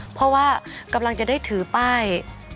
เพราะว่ากำลังจะได้ถือป้าย